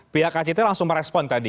pihak act langsung merespon tadi